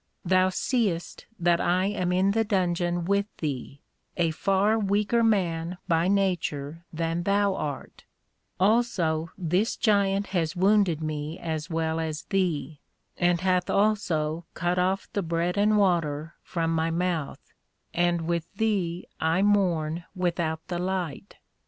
Thou seest that I am in the Dungeon with thee, a far weaker man by nature than thou art; also this Giant has wounded me as well as thee, and hath also cut off the Bread and Water from my mouth; and with thee I mourn without the light.